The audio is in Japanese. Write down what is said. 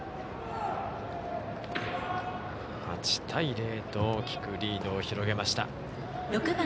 ８対０と大きくリードを広げました。